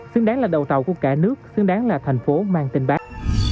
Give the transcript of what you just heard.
xứng đáng là đầu tàu của cả nước xứng đáng là thành phố mang tình bác